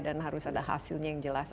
dan harus ada hasilnya yang jelas